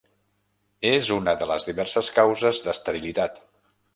És una de les diverses causes d'esterilitat.